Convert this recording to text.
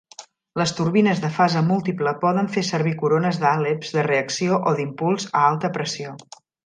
Les turbines de fase múltiple poden fer servir corones d'àleps de reacció o d'impuls a alta pressió.